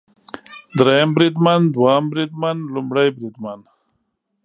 دریم بریدمن، دوهم بریدمن ، لومړی بریدمن